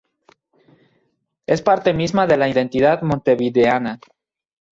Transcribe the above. Es parte misma de la identidad montevideana.